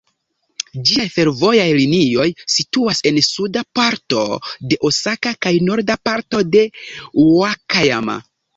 Ĝiaj fervojaj linioj situas en suda parto de Osaka kaj norda parto de Ŭakajama.